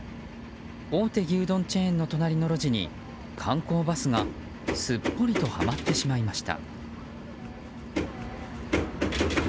大手牛丼チェーンの隣の路地に観光バスがすっぽりとはまってしまいました。